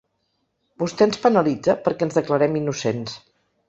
Vostè ens penalitza perquè ens declarem innocents.